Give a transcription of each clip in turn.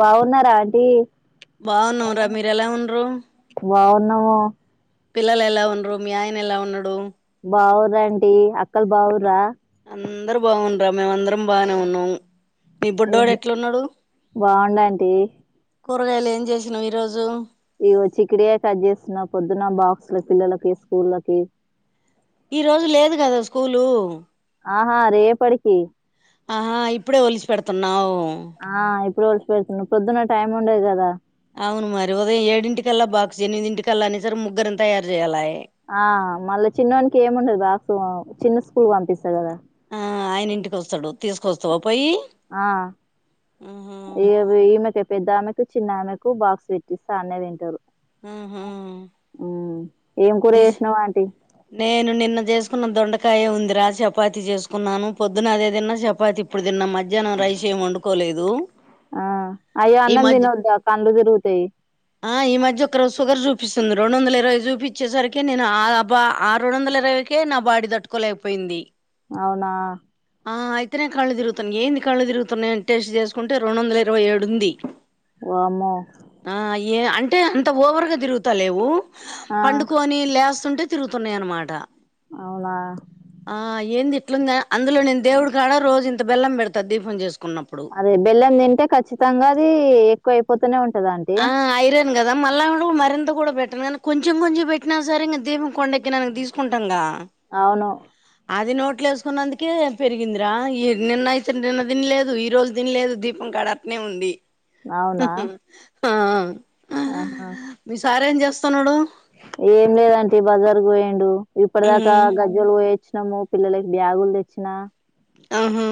బాగున్నారా ఆంటీ బాగున్నాంరా మీర ఎలా ఉండ్రు బాగున్నావా పిల్లలు ఎలా ఉండ్రు మీ ఆయన ఎలా ఉన్నాడు బాగుండ్రు అంటీ అక్కడ బాగుర్రా అందరు బావుండ్రా మేము అందరం బానే ఉన్నాం మీ బుడ్డోడు ఎట్లున్నాడు ఇలాంటి కూరలు ఏం చేసినావ్ ఈ రోజు ఇగో చిక్కుడు గాయ కట్ చేస్తున్నా పొద్దున్న బాక్సులో పిల్లలకి స్కూళ్లకి ఈ రోజు లేదు గదా స్కూలు ఆహా రేపడికి ఆహా ఇప్పుడే ఒలిచి పెడుతున్నావ్ ఆ ఇప్పుడు వలసి పెడుతున్నా పొద్దున్న టైం ఉండదు గదా అవును మరి ఉదయం ఏడింటికల్లా బాక్స్ ఎనిమిదింటికల్లా అని సరికి ముగ్గురని తయారు చేయాల ఆయె ఆ మళ్ళా చిన్నోనికి ఏముండదు బాక్స్ చిన్న స్కూల్ పంపిస్తా గదా ఆ ఆయన ఇంటికి వస్తాడు తీసుకొస్తావు ఆ ఆహా ఈ ఈమెక పెద్ద ఆమెకి చిన్నమెకు బాక్స్ పెట్టిస్తా అన్నె తింటరు. మ్ హు ఏం కూర చేసినావ్ ఆంటీ నేను నిన్న చేసుకున్నా దొండకాయ ఉందిరా చపాతి చేసుకున్నాను పొద్దున అదే తిన్నా చపాతి ఇప్పుడు తిన్నా మధ్యాహ్నం రైసే ఎం వండుకోలేదు ఆ అయ్యో ఈ అన్నం మధ్య తినొద్దా కండ్లు తిరుగుతాయి ఆ ఈ మధ్య ఒక రోజు షుగర్ చూపి చుపిస్తుంది రెండు వందల ఇరవై చూపిచ్చేసరికి నేను ఆ బ్బ ఆ రెండు వందల ఇరవైకే నా బాడీ దట్టుకోలేకపోయింది. అవునా ఆ అయితేనే కళ్ళ తిరుగుతున్నా ఏంది కళ్ళ తిరుగుతున్నాయని టెస్ట్ చేసుకుంటే రెండు వందల ఇరవై ఏడు ఉంది వామ్మో ఆ ఏ అంటే అంత ఓవర్గా తిరుగుతా లేవు ఆ పండుకొని లేస్తుంటే తిరుగుతున్నాయి అన్నమాట అవునా ఆ ఏంది ఇట్లుంది అందులో నేను దేవుడు కాడ రోజు ఇంత బెల్లం పెడతా దీపం చేసు అదే బెల్లం తింటే ఖచ్చితంగా అది ఎక్కువ అయిపోతూనే ఉంటదా అంటీ ఆ ఐరన్ కదా మళ్ళా మటుకు మరింత కూడా పెట్టను కానీ కొంచెం కొంచెం పెట్టినా సరె ఇంకా దీపం కొండ ఎక్కినాక తీసుకుంటాం కదా అవును అది నోట్లో వేసుకున్నందుకే పెరిగిందిరా ఈ నిన్న అయితే నిన్న తినిలేదు ఈ రోజు తినిలేదు దీపం కాడ అట్లనే ఉంది అవునా ఆహా మీ సారెం చేస్తున్నడు. ఏం లేదాంటీ బజార్కు పోయిండు ఇప్పటి దాకా ఉమ్ గజ్జోలు పోయి వచ్చినాము పిల్లలకి బ్యాగులు తెచ్చినా అ హా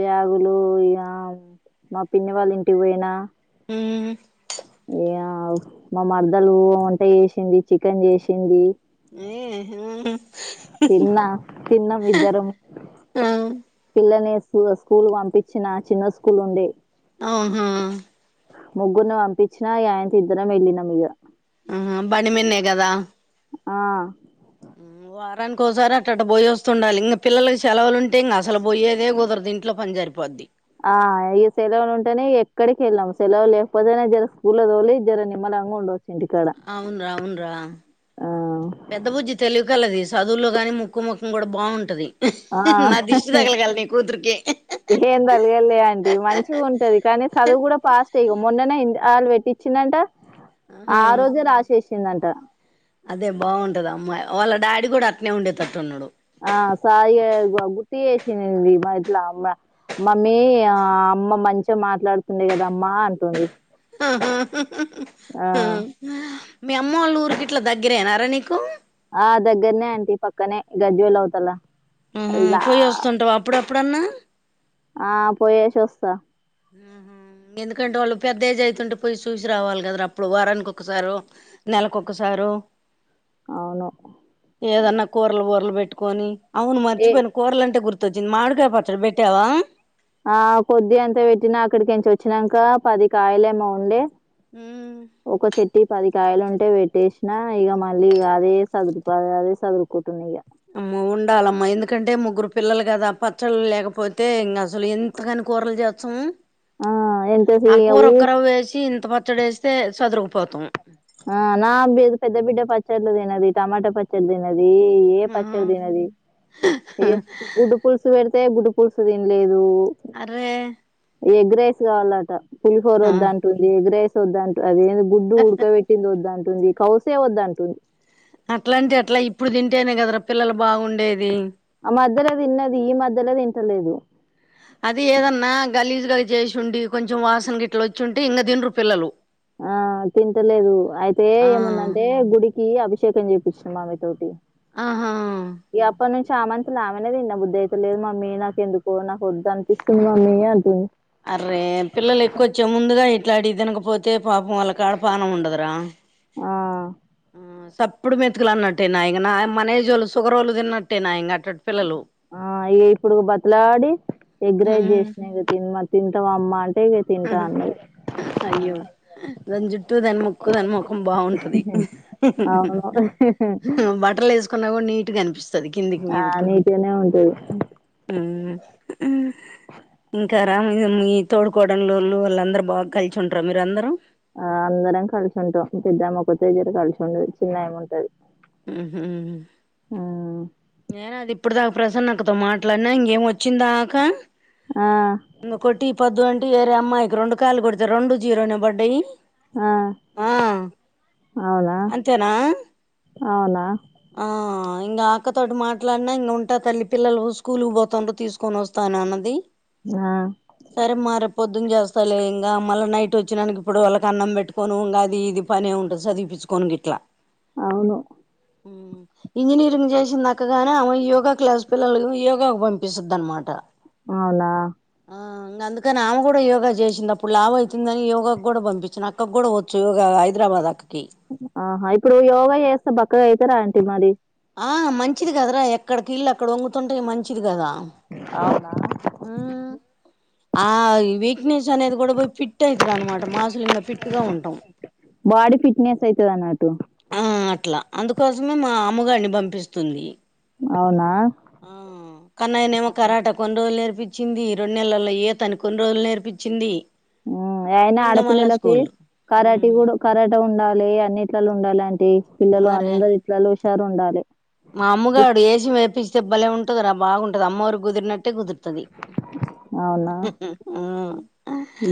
బ్యాగులు ఇగ మా పిన్ని వాళ్ళ ఇంటికి పోయినా మ్మ్ ఇగ మా మరదలు వంట చేసింది చికెన్ చేసింది ఈ ఉహు తిన్నా తిన్నం ఇద్దరం ఆ పిల్లల్ని ఏస్ ఇగ స్కూల్ పంపించిన చిన్న స్కూల్ ఉంది అ హా ముగ్గుర్ని పంపించినా అయింత ఇద్దరం వెళ్ళిన ఇగ ఆ బండి మీన్నె కదా ఆ వారానికి ఒకసారి అట్టట బొయ్ వస్తుండాలి ఇంక పిల్లకి సెలవులు ఉంటే ఇంక అసలు పోయ్యేదే కుదరదు ఇంట్లో పని జరిపోద్ది ఆ, ఇక పొద్ గాల్నే జర స్కూల్ కి పోవుడు జర నిమలంగా ఉండుడు అవును రా అవును రా ఆ, పెద్ద బుజ్జి తెలివి కల్లది స్ చదువుల్లో కానీ ముక్కు ముక్కం కూడా బాగుంటది ఆ. నా దిష్ట్ తగలగల నీ కూతుర్కి ఏం తగలద్ లే ఆంటి మంచిగా ఉంటది కానీ చదువు కూడా పాస్టే ఇగ మొన్ననే వాళ్ళు పెట్టించిందంట ఆ రోజే రాసేసిందంట అదే బాగుంటది అమ్మాయ్ వాళ్ళ డాడీ కూడా అట్నే ఉండేటట్టున్నడు ఆ సాయి గుర్తి చేసిందింది ఇట్లా అమ్మ మమ్మీ ఆ అమ్మ మంచిగా మాట్లాడుతుంది కదా అమ్మా అంటుంది ఆ మీ అమ్మ వాళ్ళు ఊరికి గిట్లా దగ్గిరేనారా నీకు ఆ దగ్గర్నే ఆంటీ పక్కనే గజ్జ్వల్ అవుతలా ఉహూ పొయ్యి వస్తుంటవా అప్పుడ అప్పుడన్నా ఆ పోయ్యేసోస్త ఎందుకంటే వాళ్ళు పెద్ద ఏజైతుంటే పోయి చూసి రావాలి కదా అప్పుడు వారానికి ఒక్కొసారో నెల కొక్కసార్ గారు అవును ఏదన్నా కూరలు బూరలు పెట్టుకొని అవును ఏ మర్చిపోయిన కూరలంటే గుర్తు చ్చింది మాడికాయ పచ్చడి పెట్టావా ఆ కొద్ది గంతా పెట్టినా అక్కడి కెంచి వచ్చినంక పది కాయలేమో ఉండే ఒక చెట్టి పది కాయలు ఉంటే పెట్టేసిన ఇక మళ్ళీ ఇంగ అదే సదుర్తా అదే సదురుకుంటు కూర్చున్న ఇక అమ్ ఉండాలమ్మా ఎందుకంటే ముగ్గురు పిల్లలు కదా పచ్చళ్ళ లేకపోతే ఇంకా అసలు ఎంత కనీ కూరలు జేస్తం ఆ ఎంతసి ఆ కూరొక్కర వేసి ఇంత పచ్చడి వేస్తే సదురుకపోతాం ఆ నా బి- పెద్ద బిడ్డ పచ్చళ్ళు తినది టమాటా పచ్చడ్ తినా దీ ఏ ఆహా పచ్చడ్ తినది గుడ్డు పుల్సు వెడతే గుడ్ పులుసు తిన్లేదు అర్రే ఎగ్ రైస్ కావాలంట పులిహోర వద్దంటుంది ఎగ్ రైస్ వద్దంటు అదేంది గుడ్డు ఉడకబట్టి వద్దంటుంది కౌసే వద్దంటుంది ఇడ పిల్లలు బాగుండేది ఆ మధ్యల తిన్నది ఈ మధ్యలే తింటలేదు అదే ఏదన్నా గలీజ్గ చేసి ఉండి కొంచెం వాసన గిట్లు వచ్చింటే ఇంకా తినరు పిల్లలు ఆ తింటలేదు అయితే ఆ ఏముదంటే గుడికి అభిష్ షేకం చెయిపిచిన మావయ్య తోటి ఆహా చామంతి నామనే తిన బుద్ధి అయితేలేదు మమ్మీ నాకు ఎందుకో నాకు వద్దు అనిపిస్తుంది మమ్మీ అంటుంది అర్రే పిల్లలు ఎక్కువ వచ్చే ముందుగా ఇట్లాడి తినకపోతే పాపం వాళ్ళ కాడ పానం ఉండదురా ఆ ఆ సప్పుడు మెతుకులు అన్నట్టే నయిగన మన ఎజోళ్ళు షుగర్ వోళ్ళు తిన్నట్టే నా ఆ ఇప్పుడు బతులాడి ఎగ్ రైస్ హ్మ్ చేసినా ఇగ అమ్మ తింటవా అమ్మా అయ్యో దాని జుట్టు దాని ముక్కు దాని ముఖం బావుంటది అవును బట్టర్లు వేసుకున్నా కూడా నీట్ సదికిందికి ఆ మీదికి నీటిగానే ఉంటది మ్ ఇంకా రామ్మిరమి గడల్లోలు వాళ్ళందరు బాగా కలిచి ఉంట్ర మీరు అందరూ ఆ అందరం కలిసింటాం పెద్దమొక్కత్తే జర్ర కలిసి ఉండదు చిన్న ఆమె ఉంటది మ్ హు ఆ నేను అది ఇప్పుడుదాకా ప్రసన్నకతో మాట్లాడినా ఇంకేం వచ్చిందాకా ఆ ఇంగ కొట్టి పొద్దు అంటే వేరే అమ్మాయికి రెండు కాయలు గొడితే రెండు జీరోనే బడ్డాయి ఆ అవునా అంతేనా అవునా ఆ ఇంకా అక్కతోటి మాట్లాడినా ఇంగ ఉంటా తల్లి పిల్లలు స్కూల్ పోతుండ్రు తీసుకొని వస్తాను అన్నది ఆ సరేమా రేపొద్దు చేస్ లే ఇంగ మళ్ళీ నైట్ వచ్చినానికి ఇప్పుడు వాళ్ళకి అన్నం పెట్టుకొను గది ఇది పనే ఉంటది చదివిపించుకోను గిట్లా అవును మ్ ఇంజనీరింగ్ చేసింది దక్కగానే ఆమె యోగా క్లాస్ పిల్లల యోగాకు పంపిసుద్ది అనమాట అవునా ఇంగ అందుకని ఆమె కూడా యోగా చేసింది అప్పుడు లావ అయితుందని యోగాకు కూడా పంపించిన అక్కకి గాడా వచ్చు యోగా హైదరాబాద్ అక్క ఆహా ఇప్పుడు యోగా చేస్తే బక్కగా అయితర అంటీ మరి ఆ మంచిది కదరా ఎక్కడికి కీళ్ళు అక్కడ వంగుతుంటే మంచిది కదా అవునా మ్ ఆవి ఫిట్నెస్ అనేది కూడా పోయి ఫిట్ అయితరు అనమాట మాసులు ఇంగ ఫిట్గా ఉంటాం బాడీ ఫిట్నెస్ అయితది అన్నట్టు ఆ అట్లా అందుకోసమే మా అమ్ముగాడిని పంపిస్తుంది అవునా ఆ కన్నయ్ నేమో కరాట కొన్ని రోలు నే నేర్పించింది రెండు నెలల్లో ఈతని కొన్ని రోజులు నేర్పించింది అయినా ఇంగ మళ్ళా ఆడపిల్లలకి స్కూల్ కరాట కూడా కరాట ఉండాలి లే అన్నిట్లలో ఉండాలి అంటి పిల్లలు మరే అందరు ఇట్లలో హుషారు ఉండాలి మా ఇప్- అమ్ముగాడు ఎసం ఎపిస్తే భలే ఉంటది రా బాగుంటది అమ్మారు కుదిరినట్టు ఇట్టే కుదుర్తది అవునా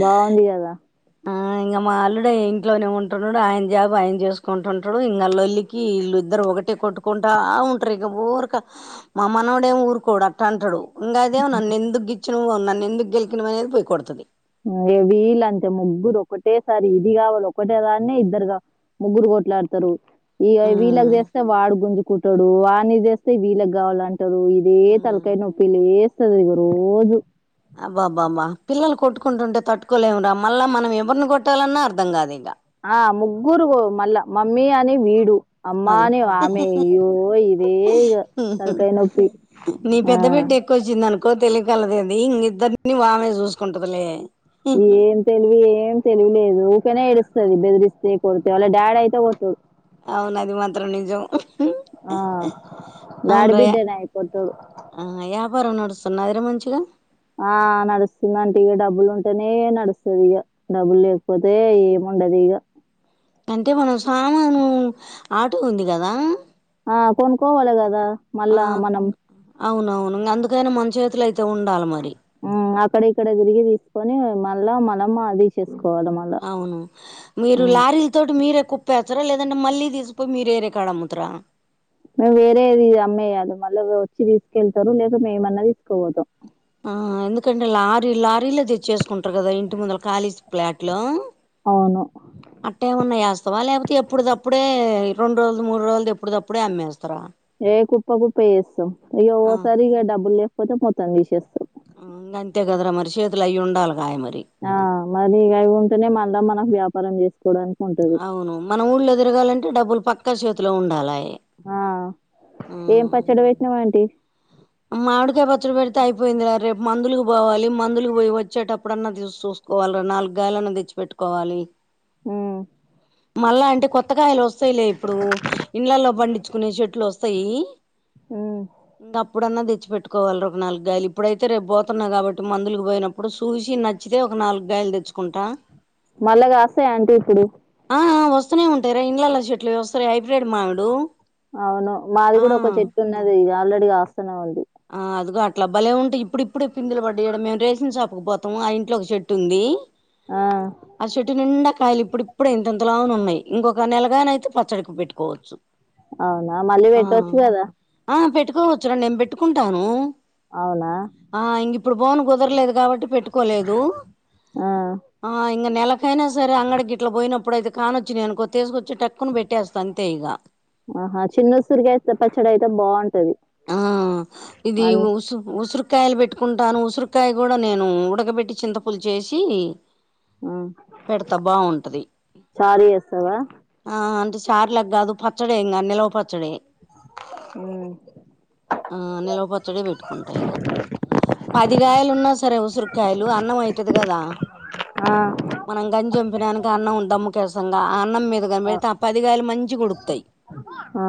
బాగుంది కదా ఆ ఇంగ మాల్లుడే ఇంట్లోనే ఉంటున్నాడు ఆయన జాబు ఆయన చేసుకుంటుంటడు ఇంకా లల్లికి ఇల్లు ఇద్దరు ఒకటే కొట్టుకుంటా ఉంట్రు ఇగ ఊరికే మా మనవడేమో ఊరుకోడు అట్ట అంటడు ఇంగ అదేమో నన్ను ఎందుకు గిచ్చినవు నన్ను ఎందుకు గెలికిినవు అది పోయి కొడతది వీళ్ళంతే ముగ్గురు ఒకటేసారి ఇది కావాలి ఒకటే దాన్నే ఇద్దరు కావాలి ముగ్గురు పోట్లాడతారు వీళ్ళకి చేస్తే వాడు గుంజు కుంటాడు వాని చేస్తే వీళ్ళకి కావాలంటే ఇదు ఇదే ఉమ్. తలకయ్ నొప్పి లేస్తే ఇగ రోజు అబ్బాబ్బాబ్బా పిల్లలు కొ ట్టుకుంటుంటే తట్టుకోలేము రా మల్ల మనం ఎవరిని కొట్టాలన్నా అర్థం కాదు ఇగ ఆ ముగ్గురు మళ్ళా మమ్మీ అని వీడు అమ్మా అగు అని ఆమె అయ్యో ఇదే ఇగ తరకయ్ నొప్పి నీ ఆ పెద్ద బిడ్డ ఎక్కువ వచ్చింది అనుకో తెలియకలదేంది ఇం ఇద్దరిని ఆమె చూసుకుంటదిలే ఏం తెలివి ఏం తెలివిలేదు ఊకనే ఏడు స్తది బెదిరిస్తే [unintelligible] వాళ్ళ డాడ్ అయితే [unintelligible] అవును అది మాత్రం నిజం అవును డాడీ ర బిడ్డనే కొట్టాడు యపారం నడు స్తున్నది ర మంచిగ ఆ నడుస్తుందంటి ఇక డబ్బులు ఉంటేనే నడుస్తుంది ఇగ డబ్బులు లేకపోతే ఏమ వుండదిగా అంటే మనం సామాను ఆటో ఉంది కదా ఆ కొనుకోవాలి కదా ఆ, మళ్ళా మనం అవునవును అందుకైన మంచి చేతుల అయితే ఉండాలి మరి కొని మళ్ళా మనమ అదే అవును మీరు మ్మ్ లారీ తోటి మీరే కు [unintelligible] లేదంటే మళ్ళీ తీసుకుపోయి మీరు వేరే కాడ అమ్ముతార మేము వేరే ఇది అమ్మేయదు మళ్ళీ వచ్చి తీసుకెళ్తారు లేక మేమన్నా తీసుకోపోతాం ఆ ఎందుకంటే లారీ లారీలు తెచ్చేస్ కుంటారు కదా ఇంటి ముందల కాలీ ప్లాట్ లో అవును అట్టేమన్నా చేస్తవ ల్యాపోతే ఎప్పుడు దప్పుడే రెండు రోజలు మూడు రోజులు ఎప్పుడప్పుడే అమ్మేస్తర ఏ కుప్ప కుప్ప వేస్తం అయ్యో ఆ సరి ఇగ డబ్బులు లేకపోతే మొత్తాం తీసేస్తాం [unintelligible] చేతులో అవి ఉండాలి [unintelligible] ఆ మరి ఇక అ ఇవి ఉంటేనే మనా మనకు వ్యాపారం చేసు అవును మన ఊళ్ళ తిర్గాలంటే డబ్బులు పక్కా చేతిలో ఉండాలే ఆ ఏం పచ్చడి చేసినవ్ ఆంటీ మాడికయ్ పచ్చడి పెడితే అయిపోయిందిరా రేపు మందులు పోవాలి మందులు పోయి వచ్చేటప్పుడన్నా తీ చూసుకోవాలి నాలుగుగాయలన్నా తెచ్చిపెట్టుకోవాలి హు మళ్ళా అంటే కొత్తకాయలు వస్తాయిలే ఇప్పుడు ఇండ్లలో పండించుకునే చెట్లు వస్తాయి ఆ ఇప్పుడన్నా తెచ్చి పెట్టుకోవాలి ఒక నాలుగుగాయలు ఇప్పుడైతే రేపు పోతున్నా కాబట్టి మందుకి పోయినప్పుడు చూసి నచ్చితే ఒక నాల్గు గాయాలు తెచ్చుకుంట మళ్ళా కాస్తాయి ఆంటీ ఇప్పుడు వస్తూనే ఉంటార ఇండ్లల చెట్లు వస్తాయి హైబ్ర్రిడ్ మామిడు అవును మాది ఆ కూడ ఒక చెట్టు ఉన్నది ఇది ఆల్రెడీ కాస్తునే ఉంది ఆ అదిగో అట్ల బలే ఉంటాయి ఇప్పుడు ఇప్పుడే పిందులు [unintelligible] మేము రేషన్ షా పోతము ఇంట్లో ఒక చెట్టు ఉంది ఆ ఆ చెట్టు నిండ కయ్ ఇప్పుడు ఇప్పుడే ఇంతలాన ఉన్నాయి ఇంకొక నెలగాన అయితే పచ్చడికి పెట్టుకోవచ్చు అవునా మళ్ళీ ఆ పెట్టొచ్చు కద [unintelligible] నేను పెట్టుకుంటాను అవునా ఆ ఇంగ ఇప్పుడు బాన్ కుదరలేదు కాబట్టి పెట్టుకోలేదు ఆ ఆ ఈ ఇం నెలకైనా సరే అంగడికి ఇట్లా పోయినప్పుడయితే కానొచ్చి నేను తికొేసుకొచ్చి ఆహా చిన్నస్తుూరిగాస్త పచ్చడి అయితే బాగుంటది ఆ ఇది అన్ని ఉసు ఉ ఉసురకాయలు పెట్టుకుంటాను ఉసురికాయ కూడా నేను ఉడకబెట్టి చింతపులు చేసి ఆ పెడతా బాగుంటది చారు చేస్తావా ఆ అంటే చార్ల గా కాదు పచ్చడే ఇంకా నిలువ పచ్చడి ఉ ఆ నిలవపచ్చడిే పెట్టుకుంటా ఇగ పదిగాయలు ఉన్నా స సారే ఉసిరికాయలు అన్నం అతుంది కద ఆ మనం గంజి ఓంప్ బిర్యానీకి అన్నం వేస్తాం కదా ఆ అన్నం మీద కనపెడితే ఆ పదిగాయలు మంచి కొడుకుతాయి ఆ.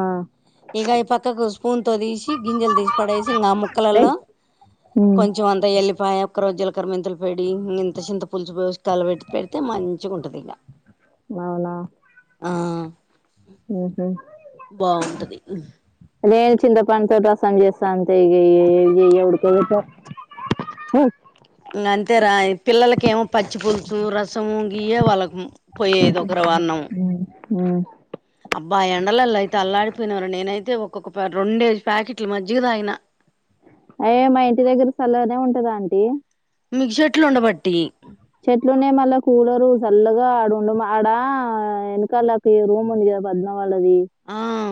ఇగ ఈ పక్కకు సు స్పూన్ తో దీసి, గింజలు తీసి పడేసి, ఇంగ ఆ ముక్కలల్ల ఏయ్ ఉమ్ కొంచెం అంత ఎల్లి పాయ ఒక్క రోజు జీలకర మెంతుల పెడి, ఇంత చింత పులుసు బెస్టాల్ బెట్టి పెడితే మంచిగుంటది ఇగ అవునా ఉహు బాగుంటది హుమ్ లేదు చింతపండుతో రసం చేస్త అంతె ఇగ ఏ ఏం ఎవరికి ఎవరికో ఉ ఉమ్ అంతే రా పిల్లలకేమో పచ్చి పులుసు రసము గియే వాళ్ళకు పోయేది ఒక రవ్వ అన్నం ఉమ్ ఉమ్ అబ్బా ఎండలల్ల అయితే అల్లాడిపోయినమ్ర నేనై తే ఒక్కొక్క పారి రొండేసి ప్యాకిట్ల మజ్జిగ దాగిన. అయే మా ఇంటి దగ్గరి సల్లగనే ఉంటాది ఆంటీ మీక్ సెట్లు ఉండబట్టీ చెట్లున్నాయి మళ్ళా కూలరు చల్లగా ఆడ ఉండు మా ఆడ వెనకాలకు రూమ్ ఉంది గదా పద్మ వాళ్ళది. అ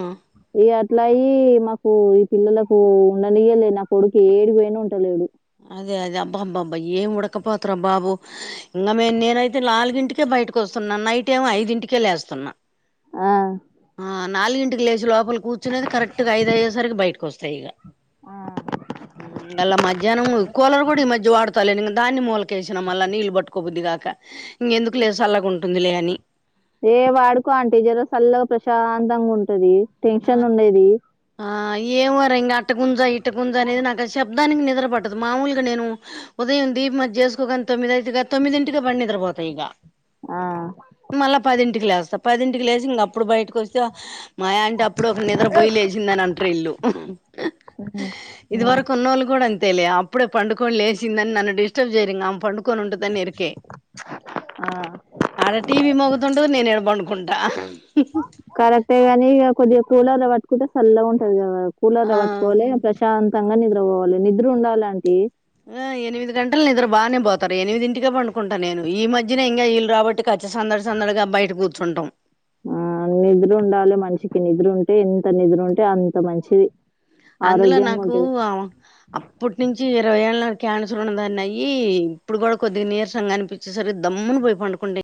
ఇగ అట్లయీ మకూ ఇ పిల్లలకూ ఉండనీయలే. నా కొడుకు ఏడి బొయిన ఉంటలేడు. అదే అదే అబ్బబ్బబ్బ! ఏం ఉడకపోతర బాబు! ఇంగ మేము నేనైతే లాల్గింటికే బ బయిటికొస్తున్న నైట్ ఏమో ఐదింటికే లేేస్తున్నా. ఆ నాలుగింటికి లేసి లోపల కూర్చునేది కరెక్ట్ గ ఐదు అయ్యేసరికి బయటికొస్త ఇగ. ఉ మల్ల మధ్యాహ్నం కూలర్ గుడా ఈ మధ్య వాడు చలి కలేని దాన్ని మూలకేసిన మళ్ళ నీళ్లు పట్టుకోబుద్దిగాక ఇంగెందుకులే సల్లగుంటుందిలే అని ఏ! వాడుకో అంటీ జర సల్లగ ప్రశాంతంగా ఉంటదీ, టెన్షన్ ఉండదీ ఏమోర! ఇంగ అటుకుంజ, ఇటుకుంజ అనేది నాకు ఆ శబ్దానికి నిద్ర పడదు. మాములుగ నేను ఉదయం ది దీపం అది జేసుకో గని తొమ్మి అయితదా తొమ్మిదింటికే పడి నిద్ర పోత ఇగా ఆ ఇంటికి లేస్తా పదింటికి లేసి ఇంకప్పుడు బయటకి ఒస్తే మ యా ఇప్పుడు ఒక నిద్ర పొయి లేసిందని అంటరీళ్ళు. అహ్హ్ హ హీహ్! ఇది వరకు ఉన్నోళ్ళు గుడా అన్ తెలియ అప్పుడే పండుకొని, లేేసిందని నన్ను డిస్టర్బ్ చేయరింగ ఆమ్ పండు కొని ఉంటదని ఎరుకే. ఆడ టీవి మోగతుంటది నేను ఈడ బండు కుంటా కరెక్టే గనీ ఇగ కొద్దిగ కూలర్ల పాట్టుకుంటే సల్లగ ఉంటది కదా కూలర్ల ఆ పట్టుకోవాలె, ఇగ ప్రశాంతంగా నిద్ర బోవాలి నిద్ర ఉండాలి ఆంటీ ఆ ఎనిమిది గంటల నిద్ర బానే బోత్ ఎనిమిదింటికే పడుకుంట నేను ఈ మధ్యనే ఇంగ ఈళ్ళు రాబట్టికి అచ్చి సందడి సందడిగా బయట కూర్చుంటం. ఆ నిద్ర ఉండాలె మనిషికి, నిద్ర ఉంటే ఎంత నిద్ర ఉంటే అంత మంచిది. అందులో నాకు ఆరోగ్యంగుంటది. అప్పుటి నుంచి ఇరవై ఏళ్ళ క్యాన్సర్ ఉన్న దాన్నయ్యి ఇప్పుడు గూడ కొద్దిగ నీరసంగా అనిపించేసరికి దమ్మున పోయి పండుకుంటే